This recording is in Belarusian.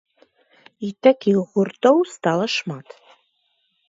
І такіх гуртоў стала шмат.